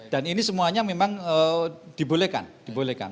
dan ini semuanya memang dibolehkan